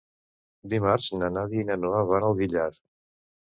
Dimarts na Nàdia i na Noa van al Villar.